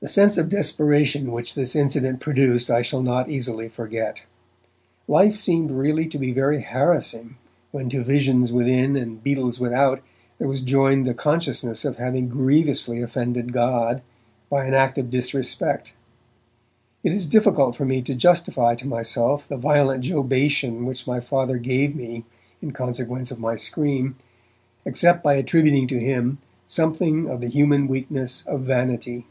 The sense of desperation which this incident produced I shall not easily forget. Life seemed really to be very harassing when to visions within and beetles without there was joined the consciousness of having grievously offended God by an act of disrespect. It is difficult for me to justify to myself the violent jobation which my Father gave me in consequence of my scream, except by attributing to him something of the human weakness of vanity.